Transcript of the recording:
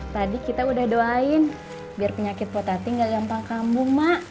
tadi kita udah doain biar penyakit po tati gak gampang kambuh ma